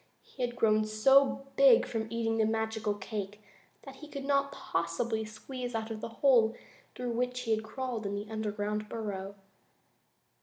He had grown so big from eating the magical cake that he could not possibly squeeze out of the hole through which he had crawled into the underground burrow.